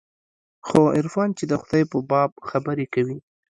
خو عرفان چې د خداى په باب خبرې کوي.